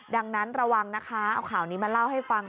ดังนั้นระวังนะคะเอาข่าวนี้มาเล่าให้ฟัง